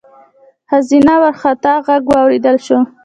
ښځينه وارخطا غږ واورېدل شو: